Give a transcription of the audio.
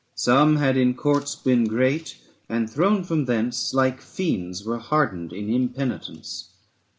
Some had in courts been great and, thrown from thence, Like fiends were hardened in impenitence.